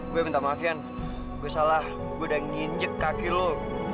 gua minta maaf yan gua salah gua udah nginjek kaki lu